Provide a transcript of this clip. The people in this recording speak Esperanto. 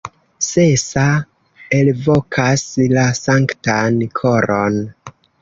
Sesa elvokas la Sanktan Koron.